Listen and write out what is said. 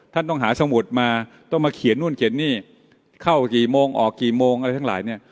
ต้องหาสมุดมาต้องมาเขียนนู่นเขียนนี่เข้ากี่โมงออกกี่โมงอะไรทั้งหลายเนี่ย